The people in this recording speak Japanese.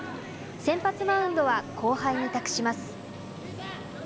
先発マウンドは後輩に託します。